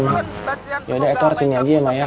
yaudah edward sini aja ya mak